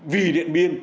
vì điện biên